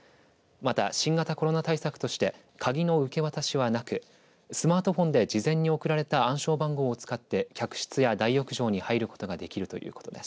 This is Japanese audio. また、新型コロナ対策として鍵の受け渡しはなくスマートフォンで事前に送られた暗証番号を使って客室や大浴場に入ることができるということです。